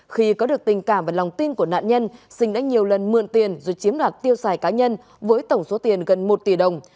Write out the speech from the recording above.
khi có được tình cảm và lòng tin của nạn nhân sinh đã nhiều lần mượn tiền rồi chiếm đoạt tiêu xài cá nhân với tổng số tiền gần một tỷ đồng